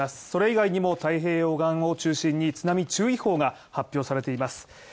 それ以外にも太平洋岸を中心に津波注意報が発表されています。